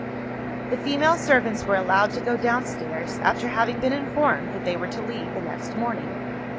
The female servants were allowed to go downstairs; after having been informed that they were to leave the next morning.